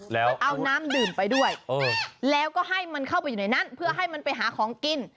แล้วเอาน้ำดื่มไปด้วยแล้วก็ให้มันเข้าไปอยู่ในนั้นเพื่อให้มันไปหาของกิน